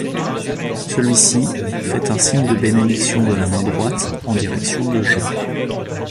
Celui-ci fait un signe de bénédiction de la main droite en direction de Jean.